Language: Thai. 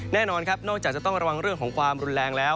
แน่นอนครับนอกจากจะต้องระวังเรื่องของความรุนแรงแล้ว